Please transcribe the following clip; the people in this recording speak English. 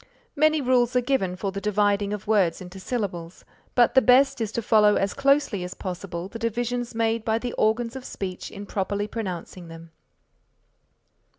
Many rules are given for the dividing of words into syllables, but the best is to follow as closely as possible the divisions made by the organs of speech in properly pronouncing them.